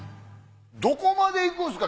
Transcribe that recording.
どこまで行くんですか？